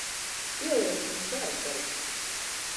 Ieliešu Jums vēl, šerif.